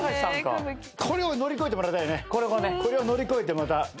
これを乗り越えてまた。